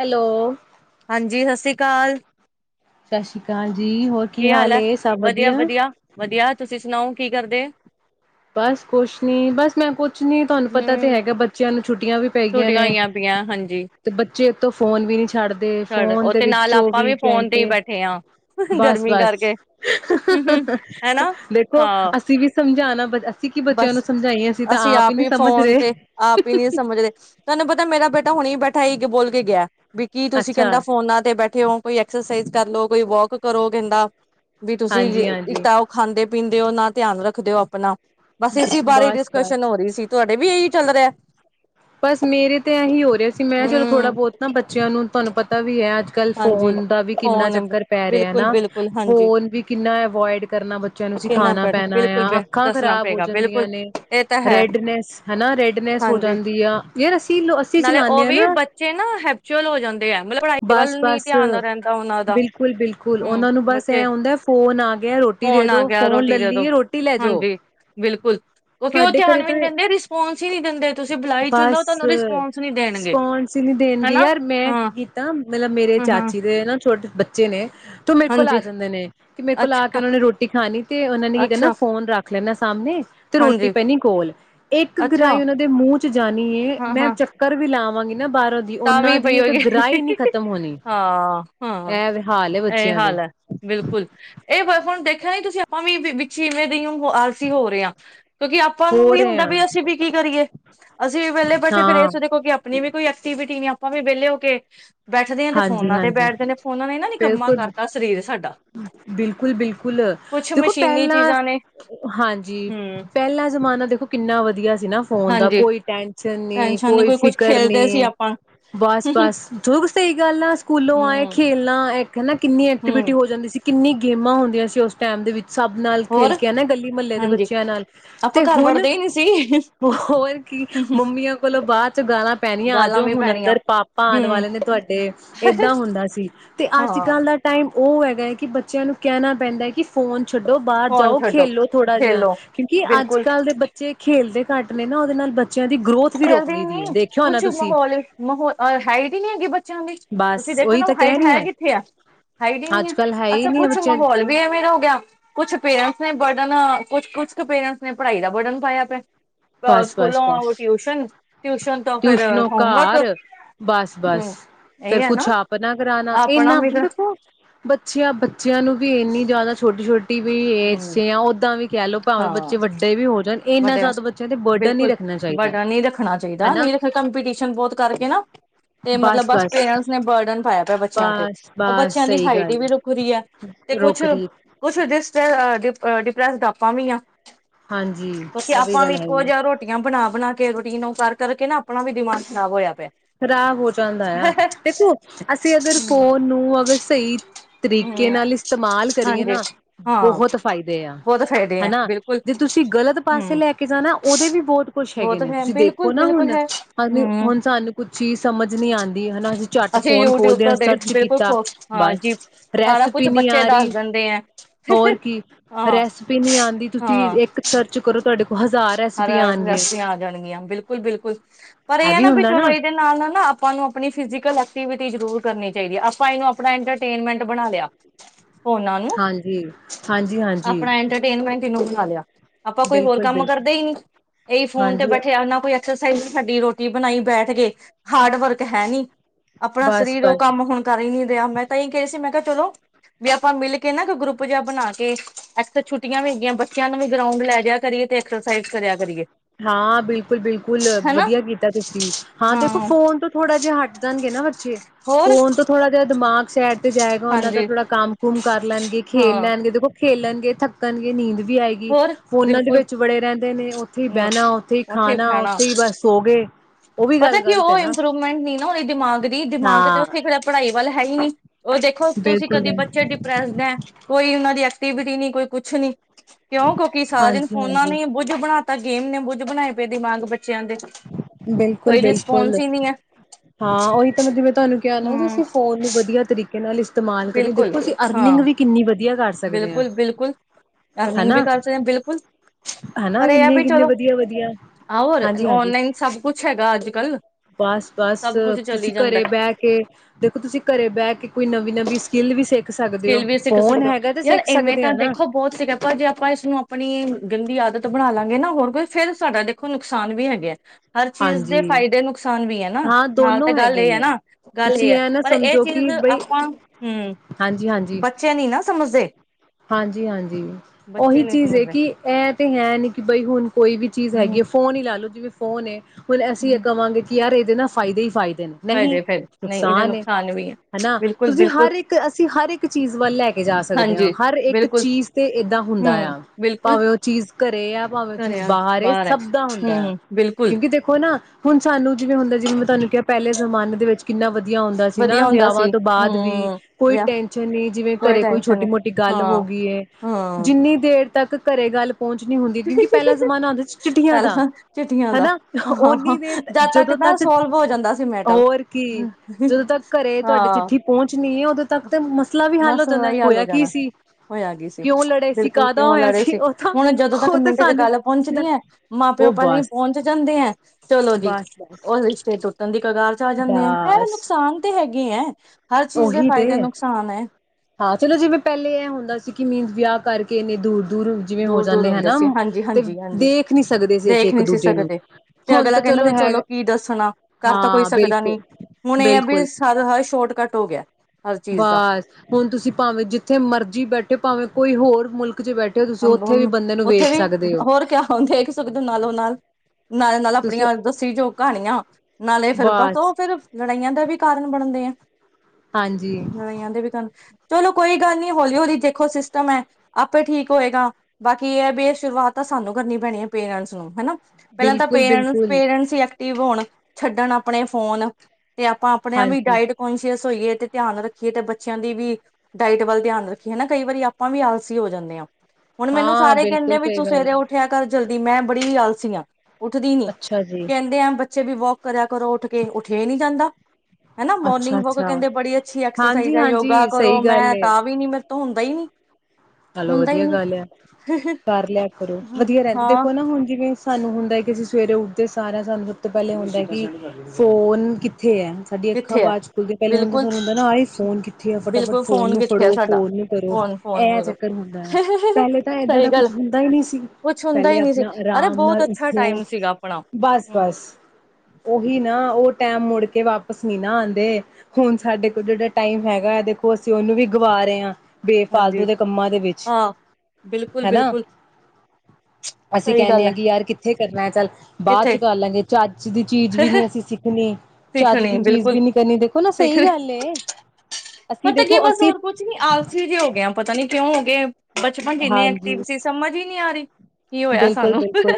Hello ਹਾਂਜੀ ਸਤਿ ਸ੍ਰੀ ਅਕਾਲ ਸਤਿ ਸ਼੍ਰੀ ਅਕਾਲ ਜੀ ਹੋਰ ਕੀ ਹਾਲ ਸਭ ਵਧੀਆ ਕੀ ਕਰਦੇ ਬਸ ਕੁਛ ਨੀ ਬਸ ਮੈਂ ਕੁਛ ਨੀ ਤੁਹਾਨੂੰ ਪਤਾ ਤੇ ਹਮ ਹੈਗਾ ਬੱਚਿਆਂ ਨੂੰ ਛੁੱਟੀਆਂ ਵੀ ਪੈ ਗਈਆਂ ਛੁੱਟੀਆਂ ਨੇ ਹੋਈਆਂ ਪਈਆਂ ਹਾਂਜੀ ਤੇ ਬੱਚੇ ਉਤੋਂ ਫੋਨ ਵੀ ਨਹੀਂੀ ਛੱਡਦੇ ਛ ਫੋਨ ਉਹ ਦੇ ਤੇ ਨਾਲ ਆਪਾਂ ਵਿੱਚੌਵੀ ਵੀ ਫੋਨ ਤੇ ਹੀ ਘੰਟੇ ਬੈਠੇ ਹਾਂ ਬਸ ਗਰਮੀ ਬਸ ਕਰਕੇ ਹਨਾ ਦੇਖੋ ਹਾਂ ਅਸੀਂ ਵੀ ਸਮਝਾ [inaudible] ਬਸ ਅਸੀਂ ਆਪ ਨੀ ਹੀ ਸਮਝ ਫੋਨ ਰਹੇ ਤੇ ਆਪ ਹੀ ਨਹੀਂੀ ਸਮਝਦੇ ਤੁਹਾਨੂੰ ਪਤਾ ਮੇਰਾ ਬੇਟਾ ਹੁਣੇ ਹੀ ਬੈਠਾ ਠਾਾਈ ਬੋਲ ਕੇ ਗਿਆ ਵੀ ਕੀੀ ਤੁਸੀਂ ਅੱਛਾ ਕਹਿੰਦਾ ਫੋਨਾ ਤੇ ਬੈਠੇ ਹੋ ਕੋਈ ਐਕਸਰਸਾਈਜ਼ ਕਰ ਲੋ ਕੋਈ ਵਾਕ ਕਰੋ ਕਹਿੰਦਾ ਵੀ ਤੁਸੀਂ ਹਾਂਜੀ-ਹਾਂਜੀ ਇਟ ਉਹ ਖਾਂਦੇ ਪੀਂਦੇ ਦਿਓ ਨਾ ਧਿਆਨ ਰੱਖ ਦਿਓ ਆਪਣਾ ਬਸ ਇਹਦੀ ਬਾਰੇ ਬਸ-ਬਸ ਡਿਸਕਸ਼ਨ ਹੋ ਰਹੀ ਸੀ ਤੁਹਾਡੇ ਵੀ ਇਹੀ ਚੱਲ ਰਿਹਾ ਬਸ ਮੇਰੇ ਤੇ ਇਹੀ ਹੋ ਰਿਹਾ ਸੀ ਮੈਂ ਚਲੋ ਥੋੜਾ ਬਹੁਤ ਨਾ ਬੱਚਿਆਂ ਨੂੰ ਤੁਹਾਨੂੰ ਪਤਾ ਵੀ ਹੈ ਅੱਜ ਕੱਲ ਹਾਂਜੀ ਫੋਨ ਦਾ ਵੀ ਕਿੰਨਾ ਫੋਨ ਚੱਕਰ ਪੈ ਰਿਹਾ ਬਿਲਕੁਲ ਨਾ ਬਿਲਕੁਲ ਹਾਂਜੀ ਫੋਨ ਵੀ ਕਿੰਨਾ ਅਵੋਇਡ ਕਰਨਾ ਬੱਚਿਆਂ ਨੂੰ ਅਂ ਕਿੰਨਾ ਖਾਣਾ ਪੈਡ ਪੈਣਾ ਬਿਲਕੁਲ ਆ ਅੱਖਾਂ ਦੱਸਣਾ ਖ਼ਰਾਬ ਹੋ ਪਏਗਾ ਬਿਲਕੁਲ ਜਾਂਦੀਆਂ ਨੇ ਇਹ ਤਾਂ ਹੈ ਰੈਡਨੈਸ ਹਨਾ ਰੈਡਨੈਸ ਹੋ ਹਾਂਜੀ ਜਾਂਦੀ ਵਧੀਆ ਯਾਰ ਅਸੀਂ ਅਸੀਂ ਨਾਲੇ ਚਲਾਉਾਨਦੇ ਉਹ ਹਾਂ ਵੀ ਨਾ ਬੱਚੇ ਨਾ ਹੈਬਚੁਅਲ ਹੋ ਜਾਂਦੇ ਆ ਮਤਲਬ ਪੜ੍ਹਾਈ ਬਸ ਵੱਲ ਨੀ ਬਸ ਧਿਆਨ ਰਹਿੰਦਾ ਉਹਨਾਂ ਦਾ ਬਿਲਕੁਲ ਬਿਲਕੁਲ ਹਮ ਉਹਨਾਂ ਨੂੰ ਬਸ ਬੱਚੇ ਇਹ ਹੁੰਦਾ ਫੋਨ ਆ ਗਿਆ ਰੋਟੀ ਦੇ ਫੋਨ ਆ ਦੋ ਗਿਆ ਫੋਨ ਰੋਟੀ ਦੇ ਦੋ ਲੀਏ ਰੋਟੀ ਲੈਜਓ ਹਾਂਜੀ ਬਿਲਕੁਲ ਕਿਉਂਕਿ ਉਹ ਧਿਆਨ ਵੀ ਨੀ ਦਿੰਦੇ ਰਿਸਪੋਂਸ ਹੀ ਨਹੀਂੀ ਦਿੰਦੇ ਤੁਸੀਂ ਬੁਲਾ ਬਸ ਸਪੋਂਸ ਹੀ ਨਹੀਂੀ ਦੇਣਗੇ ਹਨਾ ਯਾਰ ਮੈਂ ਹਾਂ ਕੀ ਕੀਤਾ ਮਤਲਬ ਮੇਰੇ ਹਾਂ ਹਾਂ ਚਾਚੀ ਦੇ ਨਾ ਛੋਟੇ ਬੱਚੇ ਨੇ ਤੇ ਉਹ ਮੇਰੇ ਕੋਲ ਹਾਂਜੀ ਆ ਜਾਂਦੇ ਨੇ ਕਿ ਮੇਰੇ ਕੋਲ ਆ ਕੇ ਅੱਛਾ ਉਹਨਾਂ ਨੇ ਰੋਟੀ ਖਾਣੀ ਤੇ ਉਹਨਾ ਨੇ ਕੀ ਕਰਨਾ ਅੱਛਾ ਫੋਨ ਰੱਖ ਖ ਲ ਸਾਹਣੇ ਤੇ ਰੋਟੀ ਹਾਂਜੀ ਪੈਂਣੀ ਕੋਲ ਇੱਕ ਅੱਛਾ ਗ੍ਰਈ ਉਹਨਾਂ ਦੇ ਮੂੰਹ ਜਾਣੀ ਹੈ ਹਾਂ ਮੈਂ ਹਾਂ ਚੱਕਰ ਵੀ ਲਾਵਾਂਗੀ ਨਾ ਬਾਹਰੋਂ ਦੀ ਤਾਂ ਵੀ ਉਹਨਾਂ ਦੀ ਪਈ ਹੋ ਇੱਕ ਗ੍ਰਾਈ ਗ ਨੀ ਖਤਮ ਹੋਣੀ ਹਾਂ ਹਾਂ ਇਹ ਹਾਲ ਹੈ ਇਹ ਬੱਚਿਆਂ ਦੇ ਹਾਲ ਹੈ ਬਿਲਕੁਲ ਇਹ ਬਸ ਹੁਣ ਦੇਖ ਦੇੀ ਤੁਸੀਂ ਆਪਾਂ ਵੀ ਵਿੱਚੀ ਇਵੇਂ ਦਈਓ ਅਸੀਂ ਹੋ ਰਹੇ ਹਾਂ ਕਿਉਂਕਿ ਆਪਾਂ ਨੂੰ ਹੋ ਵੀ ਰਹੇ ਹੁੰਦਾ ਆ ਵੀ ਅਸੀਂ ਵੀ ਕੀ ਕਰੀਏ ਅਸੀਂ ਵੀ ਵਿਹਲੇ ਬੈਠੇ ਫੇਿਰ ਹਾਂ ਇਸ ਦੇ ਕਿਉਂਕਿ ਆਪਣੀ ਵੀ ਕੋਈ ਟੀ ਵੀ ਟੀ ਵੀ ਆਪਾਂ ਵੀ ਵਿਹਲੇ ਹੋ ਕੇ ਬੈਠਦੇ ਹਾਂ ਤੇ ਹਾਂਜੀ ਫੋਨਾਂ ਤੇ ਹਾਂਜੀ ਬੈਠਦੇ ਨੇ ਫੋਨਾਂ ਨੇ ਨਾ ਨਿਕੰਮਾ ਬਿਲਕੁਲ ਕਰਤਾ ਸਰੀਰ ਸਾਡਾ ਬਿਲਕੁਲ ਬਿਲਕੁਲ ਕੁਛ ਦੇਖੋ ਮਸ਼ੀਨੀ ਪਹਿਲਾਂ ਚੀਜ਼ਾਂ ਨੇ ਹਾਂਜੀ ਹਮ ਪਹਿਲਾ ਜ਼ਮਾਨਾ ਦੇਖੋ ਕਿੰਨਾ ਵਧੀਆ ਸੀ ਨਾ, ਫੋਨ ਦਾ ਹਾਂਜੀ ਕੋਈ ਟੈਂਨਸ਼ਨ ਨੀ ਟੈਨਸ਼ਨ ਕੋਈ ਕੁੱਝ ਫਿਕਰ ਖੇਲਦੇ ਸੀ ਨੀ ਆਪਾਂ ਬਸ ਬਸ ਜੋ ਕੁਛ ਸਹੀ ਗੱਲ ਆ ਸਕੂਲੋਂ ਆਏ ਹੂੰ, ਖੇਲਣਾ ਇੱਕ ਕਹਿੰਦਾ ਕਿੰਨੀ ਐਕਟੀਵਿਟੀ ਹੂੰ ਹੋ ਜਾਂਦੀ ਸੀ। ਕਿੰਨੀ ਗੇਮਾਂ ਹੁੰਦੀਆਂ ਸੀ ਉਸ ਟਾਈਮ ਦੇ ਵਿੱਚ ਸਭ ਨਾਲ ਖੇਲ ਹੋਰ ਕੇ ਆ ਨਾ ਗਲੀ ਮਹੱਲੇ ਦੇ ਹਾਂਜੀ ਬੱਚਿਆਂ ਨਾਲ ਆਪਾਂ ਤੇ ਘਰ ਹੁਣ ਵੜਦੇ ਹੀ ਨੀ ਸੀ। ਹੋਰ ਕੀ ਮੰਮੀਆਂ ਕੋਲੋਂ ਬਾਅਦ ਚ ਗਾਲਾਂ ਪੈਣੀਆਂ ਆ ਗਾਲਾਂ ਜਾਓ ਵੀ ਹੁਣ ਪੈਣੀਆਂ ਅੰਦਰ ਪਾਪਾ ਆਉਣ ਹੂੰ ਵਾਲੇ ਨੇ ਤੁਹਾਡੇ ਤੇ ਏਦਾਂ ਹੁੰਦਾ ਸੀ ਤੇ ਅੱਜ ਹਾਂ ਕੱਲ ਦਾ ਟਾਈਮ ਉਹ ਹੈਗਾ ਹੈ, ਕਿ ਬੱਚਿਆਂ ਨੂੰ ਕਹਿਣਾ ਪੈਂਦਾ ਕਿ ਫੋਨ ਛੱਡੋ ਬਾਹਰ ਫੋਨ ਜਾਓ ਛੱਡੋ ਖੇਲੋ ਥੋੜਾ ਜਿਹਾ ਖੇਲੋ ਕਿਉਂਕਿ ਅੱਜ ਬਿਲਕੁਲ ਕੱਲ੍ਹ ਦੇ ਬੱਚੇ ਖੇਲਦੇ ਘੱਟ ਨੇ ਨਾ ਉਹਦੇ ਨਾਲ ਬੱਚ ਚੱਲਦੇ ਨੇ ਕੁਛ ਤੁਸੀਂ ਮਾਹੌਲ ਮਾਹੌਲ ਹੈ ਤੇ ਨੀ ਹੈਗੇ ਬੱਚੇ, ਬੱਚਿਆਂ ਦੀ ਬਸ ਤੁਸੀ ਦੇਖੋ ਉਹੀ ਨਾ ਤਾਂ ਉਹ ਕਹਿ ਹਾਈਟ ਰਹੀ ਹੈ, ਹਾਂ ਕਿੱਥੇ ਆ ਹਾਈਟ ਹੀ ਨੀ ਆ ਅੱਜ ਕੱਲ੍ਹ ਹੈ ਹੀ ਅੱਛਾ ਨਹੀਂ ਕੁੱਛ ਬੱਚਿਆਂ ਦੀ, ਮਾਹੌਲ ਵੀ ਐਵੇੇ ਦਾ ਹੋ ਗਿਆ ਕੁਛ ਪੇਰੈਂਟਸ ਨੇ ਬਰਡਨ ਕੁਛ ਕੁਛ ਕੁ ਪੇਰੈਂਟਸ ਨੇ ਪੜ੍ਹਾਈ ਦਾ ਬਰਡਨ ਪਾਇਆ ਪਿਆ। ਬਸ ਸਕੂਲੋਂ ਬਸ, ਆਓ ਬਸ ਟਿਊਸ਼ਨ ਟਿਊਸ਼ਨ ਤੋਂ ਫਿਰ ਟਿਊਸ਼ਨੋ ਹੋਮਵਰਕ ਘਰ ਬਸ ਹੂੰ ਬਸ ਇਹੀ ਫੇਰ ਹੈ ਨਾ ਕੁਛਾ ਆਪਣਾ ਕਰਾਣਾ ਆਪਣਾ ਇਨਾ ਵੀ ਤਾਂ ਦੇਖੋ ਬੱਚਿਆਂ ਬੱਚਿਆਂ ਨੂੰ ਵੀ ਇੰਨੀ ਜ਼ਿਆਦਾ ਛੋਟੀ ਛੋਟੀ ਵੀ ਹੂੰ [unintelligible] ਉਦਾਂ ਵੀ, ਕਹਿ ਲਓ ਭਾਵੇਂ ਹਾਂ ਬੱਚੇ ਵੱਡੇ ਵੀ ਹੋ ਜਾਣ ਇੰਨਾ ਵੱਡਿਆ ਜ਼ਿਆਦਾ ਬੱਚਿਆਂ ਤੇ ਬਰਡਨ ਨੀ ਬਿਲਕੁਲ ਰੱਖਣਾ ਚਾਹੀਦਾ ਬਰਡਨ ਨਹੀਂ ਰੱਖਣਾ ਚਾਹੀਦਾ ਹਨਾ ਨਹੀਂ ਰੱਖ ਕੰਪੀਟੀਸ਼ਨ ਬਹੁਤ ਕਰਕੇ ਨਾ, ਤੇ ਮਤਲਬ ਬਸ ਬਸ-ਬਸ, ਪੇਰੈਂਟਸ ਨੇ ਬਰਡਨ ਪਾਇਆ ਪਿਆ ਬੱਚਿਆਂ ਤੇ ਉਹ ਬਸ-ਬਸ ਬੱਚਿਆਂ ਦੀ ਸਹੀ ਹਾਈਟ ਗੱਲ ਹੀ ਵੀ ਰੁੱਕ ਰਹੀ ਹੈ, ਤੇ ਐ ਕੁਛ ਰੋਕਦੀ ਕੁਛ [inaudible] ਪ੍ਰੈੱਸ ਦਾ, ਤਾਂ ਵੀ ਆਂ, ਹਾਂਜੀ ਤੁਸੀਂ ਉਹ ਆਪਾਂ ਵੀ ਗੱਲ ਹੈਗੀ ਇੱਕੋ ਐ। ਜਿਹਾ ਰੋਟੀਆਂ ਬਣਾ। ਬਣਾ ਕੇ ਰੂਟੀਨ ਨੂੰ ਕਰ ਕਰਕੇ ਨਾ ਆਪਣਾ ਵੀ ਦਿਮਾਗ ਖਰਾਬ ਹੋਇਆ। ਪਿਆ ਖ਼ਰਾਬ ਹੋ ਜਾਂਦਾ ਆ ਦੇਖੋ ਅਸੀਂ ਅਗਰ ਹਮ ਫੋਨ ਨੂੰ ਅਗਰ ਸਹੀ ਤਰੀਕੇ ਨਾਲ ਇਸਤੇਮਾਲ ਕਰੀਏ ਹਾਂਜੀ ਨਾ ਹਾਂ ਬਹੁਤ ਫਾਇਦੇ ਆ। ਬਹੁਤ ਫਾਇਦੇ ਹੈ ਹਨਾ ਬਿਲਕੁਲ ਜੇ ਤੁਸੀਂ ਗਲਤ ਪਾਸੇ ਹਮ ਲੈ ਕੇ ਜਾਣਾ ਉਹਦੇ ਵੀ ਬਹੁਤ ਕੁਛ ਹੈਗੇ ਬਹੁਤ ਨੇ ਹੈ ਤੁਸੀਂ ਬਿਲਕੁਲ ਦੇਖੋ ਨਾ ਬਿਲਕੁਲ ਹੁਣ ਹੈ ਹਮ ਹੁਣ ਸਾਨੂੰ ਕੁਛ ਹੀ ਸਮਝ ਨਹੀਂ ਆਉਂਦੀ ਹਨਾ ਅਸੀਂ ਝੱਟ ਫੋਨ ਯੂਟਿਊਬ ਖੋਲਦੇ ਹਾਂ ਤੋਂ ਦੇ ਸਰਚ ਕੀਤਾ ਬਿਲਕੁਲ ਹਾਂ ਬਸ ਜੀ ਸਾਰਾ ਰੈਸਪੀ ਕੁਛ ਨਹੀਂ ਬੱਚੇ ਆ ਦੱਸ ਰਹੀ ਦਿੰਦੇ ਹੈ ਹੋਰ ਕੀ ਹਾਂ ਰੈਸਪੀ ਨਹੀਂ ਆਉਂਦੀ ਤੁਸੀਂ ਇੱਕ ਸਰਚ ਕਰੋ ਤੁਹਾਡੇ ਕੋਲ ਹਜ਼ਾਰ ਰੈਸਪੀਆਂ ਹਜਾਰ ਆਉਣਗੀਆਂ ਰਿਆਸਤੀ ਆ ਜਾਣਗੀਆਂ ਬਿਲਕੁਲ ਬਿਲਕੁਲ ਪਰ ਇਹ ਹੈ ਨਾ ਵੀ ਚਲੋ ਇਹਦੇ ਨਾਲ ਨਾ ਆਪਾਂ ਨੂੰ ਆਪਣੀ ਫਿਜੀਕਲ- ਐਕਤੀਵਿਤੀ ਜ਼ਰੂਰ ਕਰਨੀ ਚਾਹੀਦੀ ਹੈ ਆਪਾਂ ਇਹਨੂੰ ਆਪਣਾ ਇੰਟਰਟੇਨਮੈਂਟ ਬਣਾ ਲਿਆ। ਫੌਨਾਂ ਨੂੰ ਹਾਂਜੀ ਹਾਂਜੀ ਹਾਂਜੀ ਆਪਣਾ ਇਟਰਟੇਨਮੈਂਟ ਇਨੂੰ ਬਨਾ [unintelligible] ਆਪਾਂ ਕੋਈ ਬੋਲ ਬਿਲਕੁਲ ਕੰਮ ਬਿਲਕੁਲ ਕਰਦੇ ਹੀ ਇ ਫੋਨ ਤੇ ਹਾਂਜੀ ਬੈਠੇ ਆ ਨਾ ਕੋਈ ਐਕਸਸਾਈਜ਼ ਸਾਡੀ ਰੋਟੀ ਬਣਾਈ ਬੈਠ ਗਏ ਹਾਰਡ ਵਰਕ ਹੈ ਨੀ। ਆਪਣਾ ਬਸ ਸਰੀਰ ਉਹ ਬਸ ਕੰਮ ਹੁਣ ਕਰ ਹੀ ਨੀ ਰਿਹਾ ਮੈਂ ਤਾਂ ਇਹੀ ਕਹਿ ਰਹੀ ਸੀ ਮੈਂ ਕਿਹਾ ਚਲੋ ਵੀ ਆਪਾਂ ਮਿਲ ਕੇ ਨਾ ਕੋਈ ਗਰੁੱਪ ਜਿਹਾ ਬਣਾ ਕੇ ਅਕਸ ਛੁੱਟੀਆਂ ਵੀ ਹੈਗੀਆਂ ਬੱਚਿਆਂ ਨੂੰ ਵੀ ਗਰਾਉਂਡ ਲੈ ਜਾ ਕਰੀਏ। ਤੇ ਐਕਸਰਸਾਈਜ਼ ਕਰਿਆ ਕਰੀਏ। ਹਾਂ ਬਿਲਕੁਲ ਬਿਲਕੁਲ ਹਨਾ ਵਧੀਆ ਕੀਤਾ ਤੁਸੀਂ ਹਾਂ ਦੇਖੋ ਫੋਨ ਤੋਂ ਥੋੜ੍ਹਾ ਜਿਹਾ ਹਟ ਜਾਣਗੇ ਨਾ ਬੱਚੇ ਹੋਰ ਫੋਨ ਤੋਂ ਥੋੜ੍ਹਾ ਜਿਹਾ ਦਿਮਾਗ [unintelligible] ਤੇ ਜਾਏਗਾ ਉਹਨਾਂ ਦਾ ਹਾਂਜੀ ਥੋੜਾ ਕੰਮ ਕੁਮ ਕਰ ਲੈਣਗੇ ਖੇਲ ਹਾਂ ਲੈਣਗੇ ਦੇਖੋ ਖੇਲਣਗੇ ਥੱਕਣਗੇ ਨੀਂਦ ਵੀ ਆਏਗੀ ਹੋਰ ਫੋਨਾਂ ਦੇ ਬਿਲਕੁਲ ਵਿੱਚ ਵੜੇ ਰਹਿੰਦੇ ਨੇ ਹੀ ਬਹਿਣਾ ਉੱਥੇ ਹੀ ਖਾਣਾ ਬਹਿਣਾ ਹੀ ਬਸ ਸੋ ਗਏ ਉਹ ਵੀ ਗੱਲ ਪਤਾ ਕੀ ਗ਼ਲਤ ਹੈ ਉਹ ਨਾ ਇੰਪਰੂਵਮੈਂਟ ਨਹੀਂ ਨਾ ਉਹਦੇ ਦਿਮਾਗ ਦੀ ਦਿਮਾਗ ਤੇ ਹਾਂ ਉੱਥੇ ਹੀ ਪੜ੍ਹਾਈ ਵੱਲ ਹੈ ਹੀ ਨੀ। ਉਹ ਦੇਖੋ ਤੁਸੀਂ ਬਿਲਕੁਲ ਕਦੇ ਬੱਚੇ ਬਿਲਕੁਲ ਡਿਪਰੈਸਡ ਹੈ ਕੋਈ ਉਹਨਾਂ ਦੀ ਤੀਬਰੀ ਨੀ ਕੋਈ ਕੁਛ ਨੀ। ਕਿਉਂ ਕਿਉਂਕਿ ਸਾਰਾ ਦਿਨ ਹਾਂਜੀ ਫੋਨਾ ਹਾਂਜੀ ਨੇ ਹੀ ਬੁੱਝ ਬਣਾ ਤਾਂ ਗੇਮ ਨੇ ਬੱਝ ਬਣਾਏ ਪਏ ਦਿਮਾਗ ਬੱਚਿਆਂ ਦੇ ਬਿਲਕੁਲ ਕੋਈ ਬਿਲਕੁਲ ਰਿਸਪੋਂਸ ਹੀ ਨਹੀਂ ਹੈ ਹਾਂ ਉਹੀ ਤਾਂ ਮੈਂ ਜਿਵੇਂ ਤੁਹਾਨੂੰ ਕਿਹਾ ਨਾ ਜੇ ਅਸੀਂ ਫੋਨ ਨੂੰ ਵਧੀਆ ਤਰੀਕੇ ਨਾਲ ਇਸ ਇਸਤੇਮਾਲ ਕਰੀਏ ਬਿਲਕੁਲ ਦੇਖੋ ਅਸੀਂ ਅਰਨਿੰਗ ਹਾਂ ਵੀ ਕਿੰਨੀ ਵਧੀਆ ਕਰ ਸਕਦੇ ਹਾਂ ਬਿਲਕੁਲ ਬਿਲਕੁਲ ਅਰਨਿੰਗ ਵੀ ਹਨਾ ਕਰ ਸਕਦੇ ਬਿਲਕੁਲ ਹੈਨਾ ਪਰ ਇਹ ਆ ਕਿੰਨੇ ਵੀ ਕਿੰਨੇ ਚਲੋ ਵਧੀਆ ਵਧੀਆ ਹੋਰ ਹਾਂਜੀ ਹਾਂਜੀ। ਔਨਲਾਈਨ ਸਭ ਕੁਛ ਹੈਗਾ ਅੱਜ ਕੱਲ ਬਸ ਬਸ ਸਭ ਕੁਛ ਚਲੀ ਤੁਸੀਂ ਜਾਂਦਾ ਘਰੇ ਬਹਿ ਕੇ ਦੇਖੋ ਤੁਸੀਂ ਘਰੇ ਬਹਿ ਕੇ ਕੋਈ ਨਾ ਨਵੀਂ ਨਵੀ ਸਕਲ ਵੀ ਸਿੱਖ ਸਕਿੱਲ ਵੀ ਸਿੱਖ ਫੋਨ ਸਕਦੇ ਹੋ ਹੈਗਾ ਤੇ ਯਾਰ ਸਿੱਖ ਇਵੇਂ ਸਕਦੇ ਤਾਂ ਆ ਨਾ ਦੇਖੋ ਬਹੁਤ ਸਿੱਖਿਆ ਪਰ ਜੇ ਆਪਾਂ ਇਸਨੂੰ ਆਪਣੀ ਗੰਦੀ ਆਦਤ ਬਣਾ ਲਾਂਗੇ ਨਾ ਹੋਰ ਕੋ ਫੇਰ ਸਾਡਾ ਦੇਖੋ ਨੁਕਸਾਨ ਵੀ ਹੈਗੇ ਹਰ ਚੀਜ਼ ਦੇ ਹਾਂਜੀ ਫਾਇਦੇ ਨੁਕਸਾਨ ਵੀ ਹੈ ਨਾ ਹਾਂ ਨਾਲ ਤਾਂ ਦੋਨੋ ਗੱਲ ਹੈਗੇ ਇਹ ਹੈ ਨੇ ਨਾ ਗੱਲ ਇਹ ਤੁਸੀਂ ਹੈ ਨਾ ਪਰ ਇਹ ਸਮਝੋ ਚੀਜ਼ ਕਿ ਬਈ ਆਪਾਂ ਹਮ ਬੱਚਿਆਂ ਨੀ ਨਾ ਸਮਝਦੇ ਹਾਂਜੀ ਹਾਂਜੀ ਉਹੀ ਬੱਚੇ ਨੀ ਚੀਜ਼ ਹੈ ਸਮਝਦੇ ਕਿ ਇਹ ਤੇ ਹੈ ਨੀ ਕਿ ਬਈ ਹੁਣ ਕੋਈ ਵੀ ਚੀਜ਼ ਹੈਗੀ ਹੈ ਹਮ ਫੋਨ ਹੀ ਲਾ ਲਓ ਜਿਵੇਂ ਫੋਨ ਹੇ ਹੁਣ ਅਸੀਂ ਇਹ ਕਵਾਂਗੇ ਕਿ ਯਾਰ ਫਾਇਦੇ ਫਾਇਦੇ ਨਹੀਂ ਫਾਇਦੇ ਫਾਇਦੇ ਨਹੀਂ ਇਹਦਾ ਨੁਕਸਾਨ ਵੀ ਹੈ ਹ ਨਾ ਬਿਲਕੁਲ ਤੁਸੀਂ ਬਿਲਕੁਲ ਹਰ ਇੱਕ ਅਸੀਂ ਹਰ ਇੱਕ ਚੀਜ਼ ਵੱਲ ਲੈ ਕੇ ਜਾ ਸਕਦੇ ਹਾਂਜੀ ਹਾਂ ਇੱਕ ਬਿਲਕੁਲ ਚੀਜ਼ ਤੇ ਇਦਾਂ ਹੁੰਦਾ ਹੂੰ ਆ ਬਿਲਕੁਲ ਭਾਵੇਂ ਉਹ ਚੀਜ਼ ਘਰੇ ਆ ਭਾਵੇਂ ਉਹ ਚੀਜ਼ ਘਰਿਆ ਬਾਹਰ ਹ ਹੈ ਸਭ ਦਾ ਹੁੰਦਾ ਆ ਹੂੰ ਬਿਲਕੁਲ ਕਿਉਂਕਿ ਦੇਖੋ ਨਾ ਹੁਣ ਸਾਨੂੰ ਜਿਵੇਂ ਹੁੰਦਾ ਜਿਵੇਂ ਮੈਂ ਤੁਹਾਨੂੰ ਕਿਹਾ ਪਹਿਲੇ ਮਨ ਦੇ ਵਿੱਚ ਕਿੰਨਾ ਕਿਉਂ ਹੁੰਦਾ ਸੀ ਨਾ ਵਧੀਆ ਹੁੰਦਾ ਵਿਆਵਾਂ ਸੀ ਤੋਂ ਬਾਅਦ ਵੀ ਹੂੰ ਕੋਈ ਵਿਆਹ ਟੈਂਸ਼ਨ ਨਹੀਂ ਜਿਵੇਂ ਘਰੇ ਕੋਈ ਟੈਨਸ਼ਨ ਛੋਟੀ ਨੀ ਮੋਟੀ ਗੱਲ ਹੋ ਹਾਂ ਗਈ ਹ ਹਾਂ ਜਿੰਨੀ ਦੇਰ ਫਿਰ ਤੱਕ ਘਰੇ ਗੱਲ ਪਹੁੰਚ ਨਹੀਂ ਹੁੰਦੀ ਕਿਉਂਕਿ ਪਹਿਲਾਂ ਜਮਾਨਾ ਦੇ ਚ ਚਿੱਟੀਆਂ ਦਾ ਪਹਿਲਾਂ ਚਿੱਠੀਆਂ ਦਾ ਹੈਨਾ ਹਾਂ ਉਨੀ ਹਾਂ ਦੇ ਜਦ ਜਦੋਂ ਤਾਂ ਤੱਕ ਸੋਲਵ ਹੋ ਜਾਂਦਾ ਸੀ ਮੈਟਰ ਔਰ ਕੀ ਜਦੋਂ ਤੱਕ ਘਰੇ ਤੁਹਾਡੇ ਹਾਂ ਚਿੱਠੀ ਪਹੁੰਚਣੀ ਹ ਉਦੋਂ ਤੱਕ ਤੇ ਮਸਲਾ ਵੀ ਹੱਲ ਹੋ ਜਾਣਾ ਓਏ ਆ ਗਈ ਸੀ ਮੇਰੇ ਕੋਲ ਕਾਹਦਾ ਕਿਉਂ ਲੈ ਹੋਇਆ ਰਹੇ ਸੀ ਉਹ ਤਾਂ ਹੁਣ ਜਦੋਂ ਤੱਕ ਉਹ ਤਾਂ ਮਿੰਟ ਚ ਸਾਨੂੰ ਗੱਲ ਪਹੁੰਚਦੀ ਹ ਮਾਂ ਉਹ ਪਿਓ ਪਹਿਲਾਂ ਹੀ ਬਸ ਪਹੁੰਚ ਜਾਂਦੇ ਆ ਚਲੋ ਜੀ ਬਸ ਬਸ ਉਹ ਰਿਸ਼ਤੇ ਟੁੱਟਣ ਦੀ ਕਗਾਰ ਚ ਆ ਜਾਂਦੇ ਬਸ ਨੁਕਸਾਨ ਤੇ ਗੀ ਐ ਉਹੀ ਤੇ ਹਾਂ ਚਲੋ ਜਿਵੇਂ ਪਹਿਲੇ ਆ ਹੁੰਦਾ ਸੀ ਮੀਨ ਵਿਆਹ ਕਰਕੇ ਦੂਰ ਜਿਵੇਂ ਹੋ ਦੂਰ ਦੂਰ ਜਾਂਦੇ ਹੁੰਦਾ ਹਨਾ ਸੀ ਹਾਂਜੀ ਹਾਂਜੀ ਤੇ ਦੇਖ ਨੀ ਸਕਦੇ ਅਸੀਂ ਦੇਖ ਇੱਕ ਨਹੀਂ ਸੀ ਦੂਜੇ ਨੂੰ ਸਕਦੇ ਤੇ ਹੁਣ ਅਗਲਾ ਤਾਂ ਕਹਿੰਦਾ ਕਿ ਚਲੋ ਹੈਗਾ ਕੀ ਦੱਸਣਾ ਘਰ ਤਾਂ ਕੋਈ ਹਾਂ ਸਕਦਾ ਬਿਲਕੁਲ ਨਹੀਂ ਹੁਣ ਇਹ ਆ ਵੀ ਬਿਲਕੁਲ ਹੋ ਗਿਆ ਹਰ ਚੀਜ਼ ਦਾ ਬਸ ਹੁਣ ਤੁਸੀਂ ਭਾਵੇਂ ਜਿੱਥੇ ਮਰਜ਼ੀ ਬੈਠੇ ਭਾਵੇਂ ਕੋਈ ਹੋਰ ਮੁਲਕ ਚ ਬੈਠੇ ਹੋ ਤੁਸੀਂ ਹਮ ਉੱਥੇ ਵੀ ਹਮ ਬੰਦੇ ਨੂੰ ਉਥੇ ਵੇਖ ਵੀ ਸਕਦੇ ਹੋ ਹੋਰ ਕਿਆ ਹੁ ਦੇਖ ਸਕਦੇ ਨਾਲੋਂ ਨਾਲ ਨਾਲ ਤੁਸੀਂ ਆਪਣੀਆਂ ਦੱਸੀ ਜੋ ਕਹਾਣੀਆਂ ਨਾਲੇ ਫਿਰ ਬਸ ਉਹ ਫਿਰ ਲੜਾਈਆਂ ਦਾ ਵੀ ਕਾਰਨ ਬਣਦੇ ਆ ਹਾਂਜੀ ਲੜਾਈਆਂ ਦੇ ਵੀ ਚਲੋ ਕੋਈ ਗੱਲ ਨਹੀਂ ਹੌਲੀ ਹੌਲੀ ਦੇਖੋ ਸਿਸਟਮ ਹੈ ਆਪੇ ਠੀਕ ਹੋਏਗਾ ਬਾਕੀ ਸ਼ੁਰੂਆਤ ਤਾਂ ਸਾਨੂੰ ਕਰਨੀ ਪੈਣੀ ਹ ਪੇਰੈਂਟਸ ਨੂੰ ਹਨਾ ਪਹਿਲਾਂ ਤਾਂ ਬਿਲਕੁਲ ਪੇਰ ਨੂੰ ਬਿਲਕੁਲ ਪੇਰੈਂਟ ਸੀ ਹੁਣ ਛੱਡਣ ਆਪਣੇ ਫੋਨ ਆਪਾਂ ਆਪਣੇਆ ਵੀ ਹਾਂਜੀ ਡਾਇਟ ਕੋਨਸ਼ੀਅਸ ਹੋਈਏ ਤੇ ਧਿਆਨ ਰੱਖੀਏ ਤੇ ਬੱਚਿਆਂ ਦੀ ਵੀ ਟਾਈਟ ਵੱਲ ਧਿਆਨ ਰੱਖੀ ਹੈ ਨਾ ਕਈ ਵਾਰੀ ਆਪਾਂ ਵੀ ਆਲਸੀ ਹੋ ਜਾਂਦੇ ਆਂ ਹੁਣ ਮੈਨੂੰ ਹਾਂ ਸਾਰੇ ਕਹਿੰਦੇ ਆ ਬਿਲਕੁਲ ਵੀ ਸਹੀ ਤੂੰ ਗੱਲ ਸਵੇਰੇ ਹੈ ਉੱਠਿਆ ਕਰ ਚਲ ਤੇ ਮੈਂ ਬੜੀ ਆਲਸੀ ਆਂ ਉੱਠਦੀ ਨਹੀਂ ਅੱਛਾ ਜੀ ਕਹਿੰਦੇ ਆ ਸੇ ਵੀ ਵਾਕ ਕਰਿਆ ਕਰੋ ਉੱਠ ਕੇ ਉੱਠਿਆ ਨਹੀਂ ਜਾਂਦਾ ਮੈਂ ਨਾ ਅੱਛਾ ਮਾਰਨਿੰਗ ਫੋਕ ਅੱਛਾ ਕਹਿੰਦੇ ਬੜੀ ਅੱਛੀ ਹਾਂਜੀ ਐਕਸਰਸਾਈਜ਼ ਹੈ ਯੋਗਾ ਹਾਂਜੀ ਸਹੀ ਕਰੋ ਗੱਲ ਮੈਂ ਏ ਤਾਂ ਵੀ ਨਹੀਂ ਮੈ ਕੋਈ ਨੀ ਚਲੋ ਹੁੰਦਾ ਹੀ ਵਧੀਆ ਗੱਲ ਲਿਆ ਨਹੀਂ ਕਰ ਲਿਆ ਕਰੋ ਹਾਂ ਵਧੀਆ ਰਹਿੰਦੇ ਹਾਂ ਦੇਖੋ ਨਾ ਹੁਣ ਜਿਵੇਂ ਸਾਨੂੰ ਹੁੰਦਾ ਕਿ ਅਸੀਂ ਸਵੇਰੇ ਉੱਠਦੇ ਸਾਰਿਆਂ ਸਾਨੂੰ ਉਸ ਤੋਂ ਪਹਿਲੇ ਹੁੰਦਾ ਕਿ ਫੋਨ ਕਿੱਥੇ ਹੈ ਸਾਡੀ ਅੱਖਾਂ ਕਿੱਥੇ ਆ ਬਾਵਾਜ਼ ਚ ਖੁੱਲ ਗ ਪਹਿਲੇਾਂ ਹੁੰਦਾ ਬਿਲਕੁਲ ਸਾਨੂੰ ਹੁੰਦਾ ਨਾ ਆ ਫੋਨ ਕਿੱਥੇ ਆ ਫਟਾਫਟ ਬਿਲਕੁਲ ਫੋਨ ਨੂੰ ਕਿੱਥੇ ਆ ਫੜੋ ਸਾਡਾ ਫੋਨ ਨੂੰ ਕਰੋ ਫੋਨ ਫੋਨ ਇਹ ਬੋਲੋ ਰ ਹੁੰਦਾ ਆ ਪਹਿਲੇ ਤਾਂ ਇਏਦਾਂ ਦਾ ਸਹੀ ਗੱਲ ਕੁਛ ਹੁੰਦਾ ਹੀ ਨਹੀਂ ਸੀ ਕੁਛ ਹੁੰਦਾ ਪਹਿਲੇ ਹੀ ਨਹੀਂ ਸੀ ਆਪਣਾ ਅਰੇ ਆਰਾਮ ਨਾਲ ਬਹੁਤ ਅੱਛਾ ਉੱਠੋ ਟਾਈਮ ਸੀਗਾ ਆਪਣਾ ਬਸ ਹਮ ਬਸ ਉਹੀ ਨਾ ਉਹ ਟੈਮ ਮੁੜ ਕੇ ਵਾਪਿਸ ਨੀ ਨਾ ਆਉਂਦੇ ਹੁਣ ਸਾਡੇ ਕੋਲ ਜਿਹੜਾ ਟਾਈਮ ਹੈਗਾ ਦੇਖੋ ਅਸੀਂ ਉਹਨੂੰ ਵੀ ਗਵਾ ਰਹੇ ਹਾਂ ਬੇਫਾਲਤੂ ਹਾਂਜੀ ਦੇ ਕੰਮਾਂ ਦੇ ਵਿੱਚ ਹਾਂ ਬਿਲਕੁਲ ਹਨਾ ਬਿਲਕੁਲ ਅਸੀਂ ਸਹੀ ਕਹਿੰਦੇ ਗੱਲ ਹਾਂ ਹੈ ਕਿ ਯਾਰ ਕਿੱਥੇ ਕਰਨਾ ਚੱਲ ਬਾਅਦ ਚ ਕਿੱਥੇ ਕਰ ਲਾਂਗੇ ਚੱਜ ਦੀ ਚੀਜ਼ ਵੀ ਨੀ ਅਸੀਂ ਸਿੱਖਣੀ ਚੱਜ ਸਿੱਖਣੀ ਦੀ ਚੀਜ਼ ਬਿਲਕੁਲ ਵੀ ਨੀ ਕਰਨੀ ਦੇਖੋ ਨਾ ਸਹੀ ਸਿੱਖਣੀ ਗੱਲ ਏ ਅਸੀਂ ਪਤਾ ਕੀ ਦੇਖੋ ਬਸ ਅਸੀਂ ਹੋਰ ਕੁਛ ਨੀ ਆਲਸੀ ਜਿ ਹੋ ਗਿਆ ਪਤਾ ਨੀ ਕਿਉਂ ਹੋ ਗਏ ਬਚਪਨ ਚ ਇੰਨੇ ਹਾਂਜੀ ਐਕਟਿਵ ਸੀ ਸਮਝ ਹੀ ਨਹੀਂ ਆ ਰਹੀ ਕੀ ਹੋਇਆ ਬਿਲਕੁਲ ਸਾਨੂੰ ਬਿਲਕੁਲ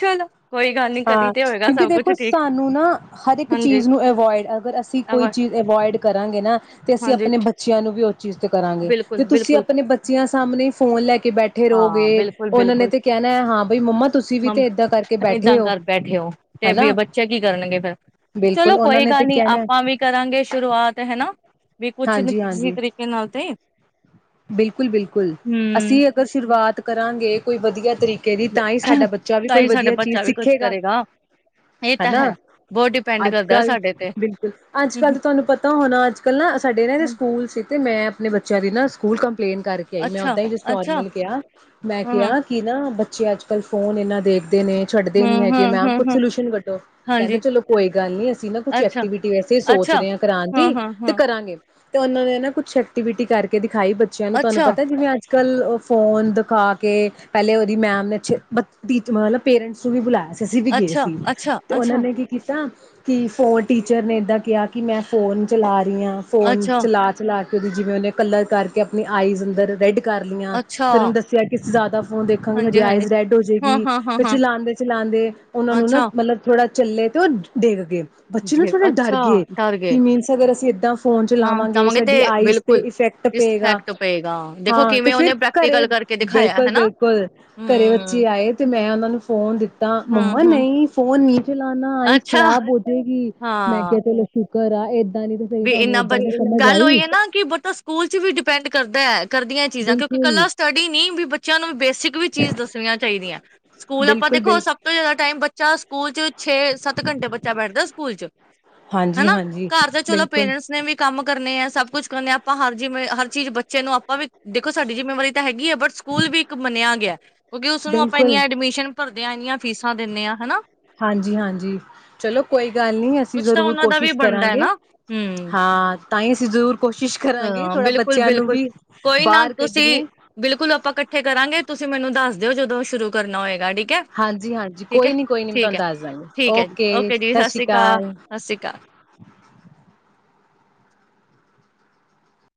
ਚਲੋ ਕੋਈ ਗੱਲ ਨੀ ਕਦੀ ਹਾਂ ਤੇ ਹੋਏਗਾ ਕਿਉਂਕਿ ਸਭ ਕੁਛ ਦੇਖੋ ਠੀਕ ਸਾਨੂੰ ਨਾ ਹਰ ਇੱਕ ਇੱਕ ਹਾਂਜੀ ਚੀਜ਼ ਨੂੰ ਅਵੋਇਡ ਅਗਰ ਅਸੀਂ ਅਵ ਕੋਈ ਚੀਜ਼ ਅਵੋਇਡ ਕਰਾਂਗੇ ਨਾ ਤੇ ਅਸੀਂ ਹਾਂਜੀ ਆਪਣੇ ਬੱਚਿਆਂ ਨੂੰ ਵੀ ਉਸ ਚੀਜ਼ ਤੇ ਕਰਾਂਗੇ ਤੇ ਬਿਲਕੁਲ ਤੁਸੀਂ ਬਿਲਕੁਲ ਆਪਣੇ ਬੱਚਿਆਂ ਸਾਹਮਣੇ ਫੋਨ ਲੈ ਕੇ ਬੈਠੇ ਹਾਂ ਰਹੋਗੇ ਬਿਲਕੁਲ ਉਹਨਾਂ ਨੇ ਬਿਲਕੁਲ ਤੇ ਕਹਿਣਾ ਹੈ ਹਾਂ ਬਈ ਮੰਮਾ ਤੁਸੀਂ ਵੀ ਤੇ ਇਏਦਾਂ ਕਰਕੇ ਬੈਠੇ ਘਰ ਬੈਠੇ ਹੋ ਤੇ ਹਨਾ ਬੱਚੇ ਕੀ ਕਰਨਗੇ ਫੇਿਰ ਚਲੋ ਬਿਲਕੁਲ ਉਹਨਾਂ ਕੋਈ ਨੇ ਤੇ ਗੱਲ ਨੀ ਕਹਿਣਾ ਆਪਾਂ ਵੀ ਕਰਾਂਗੇ ਸ਼ੁਰੂਆਤ ਹੈਨਾ ਵੀ ਕੁਛ ਹਾਂਜੀ ਕਿਸੇ ਹਾਂਜੀ ਤਰੀਕੇ ਨਾਲ ਤੇ ਬਿਲਕੁਲ ਬਿਲਕੁਲ ਹਮ ਅਸੀਂ ਅਗਰ ਸ਼ੁਰੂਆਤ ਕਰਾਂਗੇ ਕੋਈ ਵਧੀਆ ਤਰੀ ਦੀ ਤਾਂ ਹੀ ਸਾਡਾ ਬੱਚਾ ਵੀ ਤਾਂ ਕੋਈ ਹੀ ਸਾਡਾ ਵਧੀਆ ਚੀਜ਼ ਬੱਚਾ ਵੀ ਕੁਛ ਸਿੱਖੇਗਾ ਕਰੇਗਾ ਇਹ ਤਾਂ ਹਨਾ ਹੈ ਬਹੁਤ ਡਿਪੈਂਡ ਅੱਜ ਕਰਦਾ ਕੱਲ ਸਾਡੇ ਬਿਲਕੁਲ ਅੱਜ ਤੇ ਕੱਲ ਤਾਂ ਤੁਹਾਨੂੰ ਪਤਾ ਹੋਣਾ ਅੱਜ ਕੱਲ ਨਾ ਸਾਡੇ ਨਾ ਹੂੰ, ਸਕੂਲ ਤੇ ਮੈਂ ਆਪਣੇ ਬੱਚਿਆਂ ਦੀ ਨਾ ਸਕੂਲ ਕੰ ਪਲੇਨ ਕਰਕੇ ਆਈ ਮੈਂ ਅੱਛਾ, ਓਦਾਂ ਹੀ ਜਿਸ ਅੱਛਾ, ਨੋਰਮਲ ਕਿਹਾ ਮੈਂ ਹਾਂ-ਹਾਂ, ਕਿਹਾ ਕਿ ਨਾ ਬ ਬੱਚੇ ਅੱਜ ਕੱਲ ਫੋਨ ਇੰਨਾ ਦੇਖਦੇ ਛੱਡਦੇ ਨੀ ਹੈਗੇ ਮੈਮ ਕੁਛ ਹਾਂ-ਹਾਂ-ਹਾਂ-ਹਾਂ, ਸੋਲਿਊਸ਼ਨ ਕੱਢੋ ਕਹਿੰਦੇ ਹਾਂਜੀ, ਚਲੋ ਕੋਈ ਗੱਲ ਨੀ ਅਸੀਂ ਨਾ ਕੁਛ ਅੱਛਾ, ਐਕਟੀਵਿਟੀ ਵੈਸੇ ਸੋਚ ਅੱਛਾ। ਰਹੇ ਹਾਂ ਕਰਾਉਣ ਦੀ ਤੇ ਹਾਂ-ਹਾਂ-ਹਾਂ, ਕਰਾਂਗੇ [unintelligible] ਕੁਛ ਐਕਟੀਵਿਟੀ ਕਰਦੇ ਦੀ ਹਾਏ ਬੱਚਿਆ ਨੂੰ ਤੁਹਾਨੂੰ ਅੱਛਾ, ਪਤਾ ਜਿਵੇਂ, ਅੱਜ ਕੱਲ ਉਹ ਫੋਨ ਦਿਖਾ ਕੇ ਪਹਿਲੇ ਉਹਦੀ ਮੈਮ [unintelligible] ਪੇਰੈਂਟਸ ਨੂੰ ਵੀ ਬੁਲਾਇਆ ਸੀ। ਅਸੀਂ ਵੀ ਗਏ ਅੱਛਾ, ਸੀ ਅੱਛਾ, ਤੇ ਅੱਛਾ, ਉਹਨਾਂ ਨੇ ਕੀ ਕੀਤਾ। ਕਿ ਫੋਨ ਟੀਚਰ ਨੇ ਏਦਾਂ ਕਿਹਾ ਕਿ ਮੈਂ ਫੋਨ ਚਲਾ ਫੋਨ ਅੱਛਾ, ਚਲਾ ਚਲਾ ਉਹਦੀ ਜਿਵੇਂ ਉਹਨੇ ਕਲਰ ਕਰਕੇ ਆਪਣੀ ਆਈਜ਼ ਅੰਦਰ ਰੈਡ ਕਰ ਲਈਆਂ ਅੱਛਾ। ਫੇਰ ਉਹਨੂੰ ਦੱਸਿਆ ਕਿ ਜ਼ਿਆਦਾ ਫੋਨ ਦੇਖਾਂਗੇ ਸਾਡੀ ਹਾਂਜੀ-ਹਾਂਜੀ, ਆਈਜ਼ ਰੈੱਡ ਹੋਜੋਗੀ। ਫਿਰ ਹਾਂ-ਹਾਂ-ਹਾਂ-ਹਾਂ, ਚਲਾਉਦੇ ਚਲਾਉਂਦੇ ਉਹਨਾਂ ਨੂੰ ਨਾ ਅੱਛਾ, ਮਤਲਬ ਥੋੜਾ ਚੱਲੇ ਤੇ ਉਹ ਡਿੱਗ ਗਏ। ਬੱਚੇ ਨੂੰ ਫਿਰ ਥੋੜ੍ਹਾ ਡਰ ਅੱਛਾ ਗਏ ਡਰ ਗਏ। ਕਿ ਮੀਨਸ ਅਗਰ ਅਸੀਂ ਏਦਾਂ ਫੋਨ ਹਾਂ, ਚਲਾਵਾਂਗੇ ਚਾਵਾਂਗੇ ਤੇ ਸਾਡੀ ਆਈਜ਼ ਤੇ ਬਿਲਕੁਲ। ਇਫੈਕਟ ਇਸ ਪਏਗਾ ਫੈਕਟ ਪਏਗਾ, ਦੇਖੋ ਹਾਂ ਤੇ ਕਿਵੇਂ ਫਿਰ ਉਹਨੇ ਘਰੇ ਪ੍ਰੈਕਟੀਕਲ ਕਰਕੇ ਦਿਖਾਇਆ ਬਿਲਕੁਲ ਹਨਾ। ਬਿਲਕੁਲ ਘਰੇ ਬੱਚੇ ਹੂੰ, ਆਏ ਤੇ ਮੈਂ ਉਹਨੂੰ ਫੋਨ ਦੀ ਤਾਂ ਮੰਮਾ ਹੂੰ-ਹੂੰ, ਨਹੀਂ ਫੋਨ ਨਹੀਂ ਚਲਾਨਾ ਆਈਸ ਅੱਛਾ, ਖ਼ਰਾਬ ਹੋਜੇਗੀ ਮੈਂ ਹਾਂ। ਕਿਹਾ ਚਲੋ ਸ਼ੁ ਕਰਾ ਏਦ ਵੀ ਇੰਨਾ ਬਈ ਗੱਲ ਹੋਈ ਹੈ ਨਾ ਕਿ ਬਟ ਉਹ ਸਕੂਲ ਚ ਵੀ ਡਿਪੈਂਡ ਕਰਦਾ ਐ। ਕਰਦੀਆਂ ਚੀਜ਼ਾਂ ਕਿਉਂਕਿ ਬਿਲਕੁਲ ਇਕੱਲਾ ਸਟੱਡੀ ਨਹੀਂ ਵੀ ਬੱਚਿਆਂ ਨੂੰ ਬੇਸਿਕ ਵੀ ਚੀਜ਼ ਦੱਸਣੀਆਂ ਚਾਹੀਦੀਆਂ, ਸਕੂਲ ਆਪਾਂ ਬਿਲਕੁਲ ਦੇਖੋ ਬਿਲਕੁਲ ਸਭ ਤੋਂ ਜ਼ਿਆਦਾ ਟਾਈਮ ਬੱਚਾ ਸਕੂਲ ਚ ਛੇ ਸੱਤ ਘੰਟੇ ਬੱਚਾ ਬੈਠਦਾ ਸਕੂਲ ਚ ਹਾਂਜੀ, ਹਨਾ ਹਾਂਜੀ ਘਰ ਤਾਂ ਬਿਲ ਚਲੋ ਪੇਰੈਂਟਸ ਨੇ ਵੀ ਕੰਮ ਕਰਨੇ ਐ ਸਭ ਕੁਛ ਤੇ ਹੁਨ ਆਪਾ ਹਰ ਜਿਵੇਂ ਹਰ ਚੀਜ਼ ਬੱਚੇ ਨੂੰ ਆਪ ਦੇਖੋ ਸਾਡੀ ਜਿੰਮੇਵਾਰੀ ਤਾਂ ਹੈਗੀ ਹੈ ਬਟ ਸਕੂਲ ਵੀ ਇੱਕ ਮੰਨਿਆ ਗਿਆ ਕਿਉਂਕਿ ਉਸਨੂੰ ਆਪਾਂ ਬਿਲਕੁਲ ਇੰਨੀਆਂ ਐਡਮਿਸ਼ਨ ਭਰ ਇੰਨੀਆਂ ਫੀਸਾਂ ਦੇਨੇ ਆ ਹਨਾ। ਹਾਂਜੀ, ਹਾਂਜੀ ਚਲੋ ਕੋਈ ਗੱਲ ਨਹੀਂ, ਅਸੀਂ ਕੁਛ ਤਾਂ ਜ਼ਰੂਰ ਉਹਨਾਂ ਦਾ ਵੀ ਕੋਸ਼ਿਸ਼ ਬਣਦਾ ਹੈ ਕਰਾਂਗੇ। ਨਾ ਹਮ ਹਾਂ ਤਾਂ ਹੀ ਅਸੀਂ ਜ਼ਰੂਰ ਕੋਸ਼ਿਸ਼ ਕਰਾਂਗੇ ਹਾਂ ਥੋੜ੍ਹਾ ਬੱਚਿਆਂ ਨੂੰ ਬਿਲਕੁਲ-ਬਿਲਕੁਲ ਵੀ ਕੋਈ ਨਾ ਬਾਹਰ ਤੁਸੀਂ ਕੱਢੀਏ। ਬਿਲਕੁਲ ਆਪਾਂ ਇਕੱਠੇ ਕਰਾਂਗੇ ਤੁਸੀਂ ਮੈਨੂੰ ਦੱਸ ਦਿਓ ਜਦੋਂ ਸ਼ੁਰੂ ਕਰਨਾ ਹੋਏਗਾ, ਠੀ ਹਾਂਜੀ, ਹਾਂਜੀ ਕੋਈ ਨੀ ਕੋਈ ਨੀ ਮੈਂ ਤੁਹਾਨੂੰ ਦੱਸ ਦਾਂਗੀ, ਠੀਕ ਹੈ ਜੀ ਓਕੇ ਜੀ ਸਤਿ ਸ਼੍ਰੀ ਅਕਾਲ। ਸਤਿ ਸ਼੍ਰੀ ਅਕਾਲ।